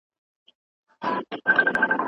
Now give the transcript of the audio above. په هغه وخت کي د بيان ازادي نه وه.